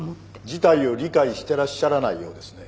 事態を理解してらっしゃらないようですね。